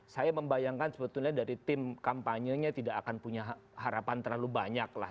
saya membayangkan sebetulnya dari tim kampanyenya tidak akan punya harapan terlalu banyak lah